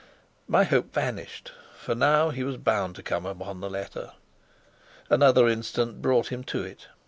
My hope vanished, for now he was bound to come upon the letter. Another instant brought him to it.